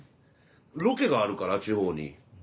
ロケがあるから地方に。